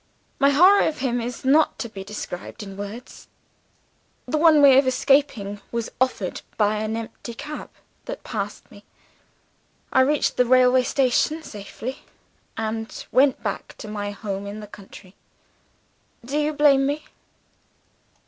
My horror of him is not to be described in words. The one way of escaping was offered by an empty cab that passed me. I reached the railway station safely, and went back to my home in the country. Do you blame me?